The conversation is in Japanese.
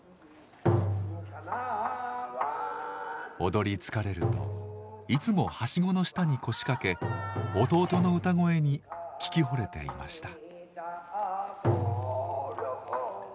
踊り疲れるといつもはしごの下に腰掛け弟の歌声に聞きほれていました。